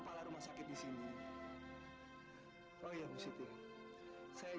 kamu jadi dokter teman